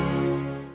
sampai jumpa lagi